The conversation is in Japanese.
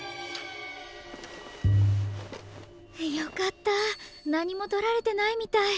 よかった何もとられてないみたい。